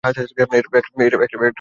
একটা ফর্সা ছেলে?